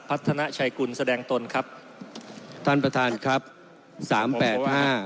พัฒนาชัยกุลแสดงตนครับท่านประธานครับสามแปดห้า